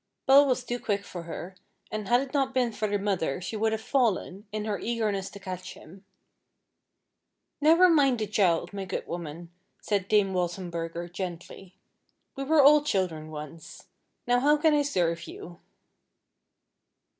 Paul was too quick for her, and had it not been for the mother she would have fallen, in her eagerness to catch him. "Never mind the child, my good woman," said dame Waltenburger, gently, "we were all children once, now how can I serve you?"